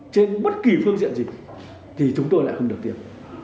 trên bất kỳ phương diện gì thì chúng tôi lại không được tiêm